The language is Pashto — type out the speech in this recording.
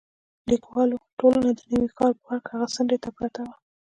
لیکوالو ټولنه د نوي ښار پارک هغې څنډې ته پرته وه.